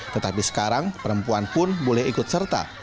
tetapi sekarang perempuan pun boleh ikut serta